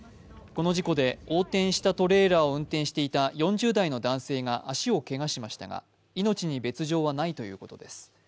この事故で横転したトレーラーを運転していた４０代の男性が足をけがしましたが命に別状はないということです。